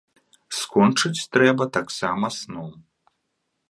Скончыць трэба таксама сном.